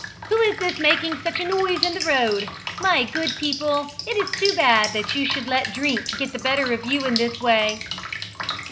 who is this making such a noise in the road. My good people, it is too bad that you should let drink get the better of you in this way!"